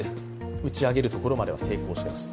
打ち上げるところまでは成功しています。